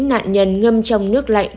nạn nhân ngâm trong nước lạnh